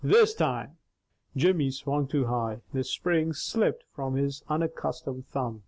"This time " Jimmy swung too high. The spring slipped from under his unaccustomed thumb.